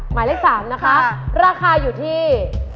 หมายเลข๓ราคาอยู่ที่